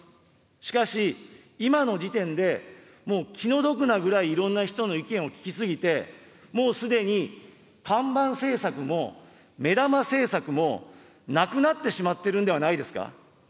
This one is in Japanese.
しかし、今の時点で、もう気の毒なぐらい、いろんな人の意見を聞き過ぎて、もうすでに看板政策も、目玉政策も、なくなってしまっているんではないですか。